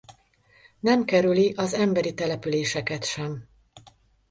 Nem kerüli az emberi településeket sem.